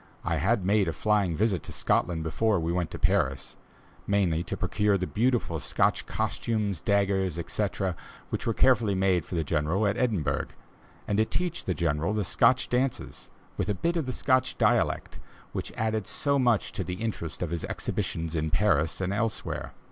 I had made a flying visit to Scotland before we went to Paris mainly to procure the beautiful Scotch costumes, daggers, etc., which were carefully made for the General at Edinburgh, and to teach the General the Scotch dances, with a bit of the Scotch dialect, which added so much to the interest of his exhibitions in Paris and elsewhere.